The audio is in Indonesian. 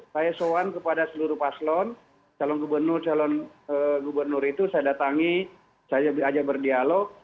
saya sowan kepada seluruh paslon calon gubernur calon gubernur itu saya datangi saya ajak berdialog